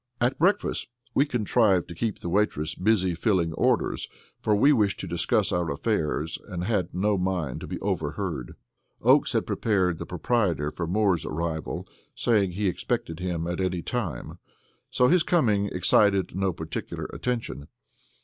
At breakfast we contrived to keep the waitress busy filling orders, for we wished to discuss our affairs and had no mind to be overheard. Oakes had prepared the proprietor for Moore's arrival, saying he expected him at any time; so his coming excited no particular attention.